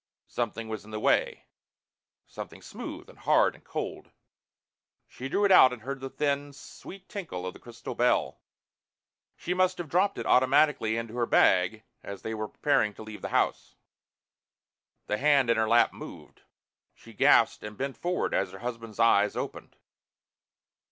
Something was in the way something smooth and hard and cold. She drew it out and heard the thin, sweet tinkle of the crystal bell. She must have dropped it automatically into her bag as they were preparing to leave the house. The hand in her lap moved. She gasped and bent forward as her husband's eyes opened.